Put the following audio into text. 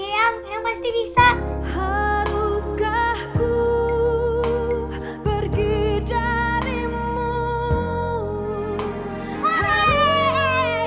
yang yang pasti bisa haruskah ku pergi dari mu